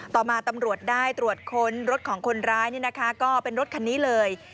ต่อมาตำรวจได้ตรวจค้นรถของคนร้ายก็เป็นรถคันนี้เลย